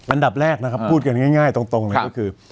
อันดับแรกนะครับพูดกันง่ายตรงเลยก็คือ